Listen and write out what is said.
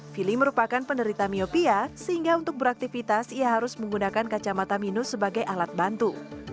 fili merupakan penderita miopia sehingga untuk beraktivitas ia harus menggunakan kacamata minus sebagai alat bantu